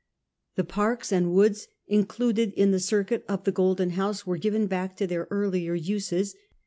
The parks and woods included in the circuit oi the Golden House were given back to their earlier uses.